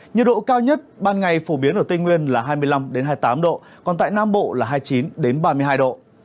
nhiệt độ cao nhất ban ngày phổ biến ở tây nguyên là hai mươi năm hai mươi tám độ còn tại nam bộ là hai mươi chín ba mươi hai độ